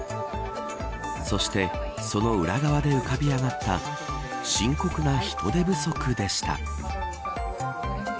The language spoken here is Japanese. そして、その裏側で浮かび上がったのは深刻な人手不足でした。